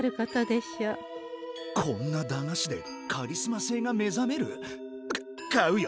こんな駄菓子でカリスマ性が目覚める？か買うよ！